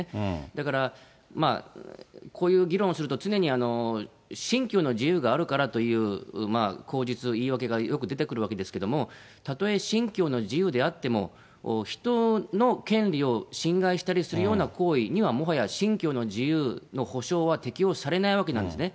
だから、こういう議論をすると常に、信教の自由があるからという口実、言い訳がよく出てくるわけですけれども、たとえ信教の自由であっても、人の権利を侵害したりするような行為には、もはや信教の自由の保障は適用されないわけなんですね。